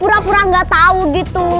pura pura gak tau gitu